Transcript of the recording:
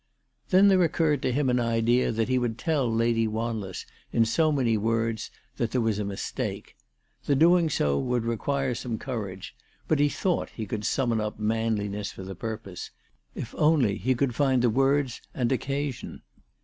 Then there occurred to him an idea that he would tell Lady Wanless in so many words that there was a mistake. The doing so would require some courage, but he thought that he could summon up manliness for the purpose, if only he could find the words and occasion.